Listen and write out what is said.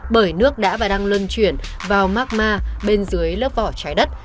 bởi nước đã và đang lân chuyển vào magma bên dưới lớp vỏ chai đất